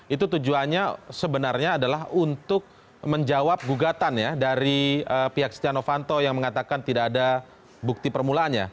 itu tujuannya sebenarnya adalah untuk menjawab gugatan ya dari pihak setia novanto yang mengatakan tidak ada bukti permulaannya